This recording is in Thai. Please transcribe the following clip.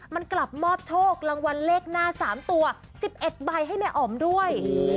มันกลับมอบโชครางวัลเลขหน้า๓ตัว๑๑ใบให้แม่อ๋อมด้วย